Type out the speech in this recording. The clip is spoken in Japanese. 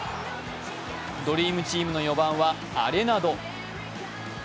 ドリームチームの４番はアレナド。